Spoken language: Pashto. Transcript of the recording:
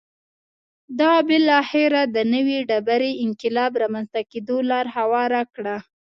دا بالاخره د نوې ډبرې انقلاب رامنځته کېدو ته لار هواره کړه